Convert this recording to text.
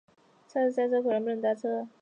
超级塞车，果然不能搭车